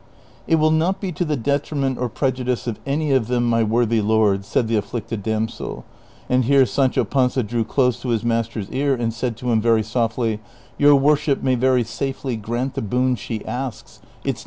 " It will not be to the detriment or prejudice of any of them, my worthy lord," said the afflicted damsel ; and here Sancho Panza drew close to his master's ear and said to him very softly, " Your worship may very safely grant the boon she asks ; it 's Vol.